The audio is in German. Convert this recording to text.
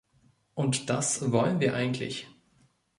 Und das wollen wir eigentlich.